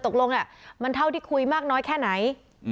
ตกลงมันเท่าที่คุยมากน้อยแค่ไหน